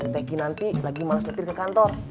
tegi nanti lagi males letir ke kantor